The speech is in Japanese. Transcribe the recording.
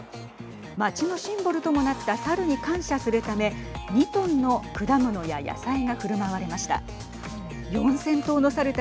町のシンボルともなった猿に感謝するため２トンの果物や野菜がふるまわれました。